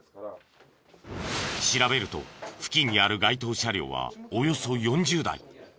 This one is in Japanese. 調べると付近にある該当車両はおよそ４０台。